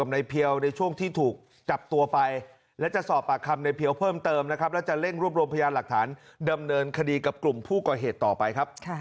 ไอ้แผลที่สองนี่น่าจะเป็นแผลมันไส้